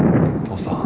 父さん